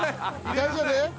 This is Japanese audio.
大丈夫？